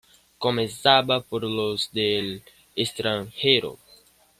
Comenzaba por los del extranjero.